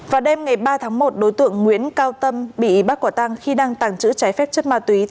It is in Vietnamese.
vào đêm ngày ba tháng một đối tượng nguyễn cao tâm bị bắt quả tăng khi đang tàng trữ trái phép chất ma túy